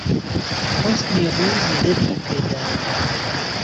حوسنی ڕووی مەدەدی پێ داوە